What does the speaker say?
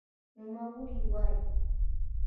نوموړې وايي